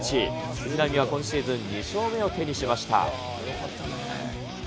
藤浪は今シーズン２勝目を手にしました。